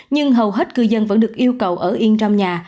nhưng hầu hết cư dân vẫn được yêu cầu ở yên trong nhà